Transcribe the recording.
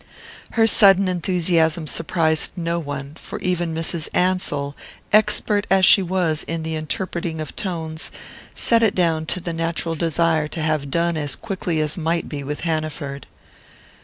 Her sudden enthusiasm surprised no one, for even Mrs. Ansell, expert as she was in the interpreting of tones, set it down to the natural desire to have done as quickly as might be with Hanaford.